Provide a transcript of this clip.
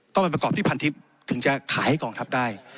ต้องไปประกอบที่พันทิพย์ถึงจะขายให้กองทัพได้